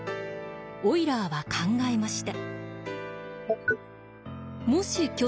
オイラーは考えました。